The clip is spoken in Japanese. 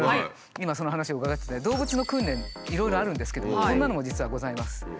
今その話を伺ってて動物の訓練いろいろあるんですけどもこんなのも実はございます。